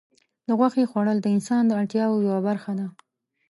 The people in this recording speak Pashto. د غوښې خوړل د انسان د اړتیاوو یوه برخه ده.